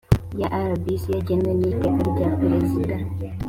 ya rbc bigenwa n iteka rya perezida